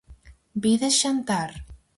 Vides xantar?